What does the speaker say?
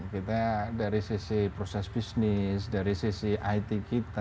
kita dari sisi proses bisnis dari sisi it kita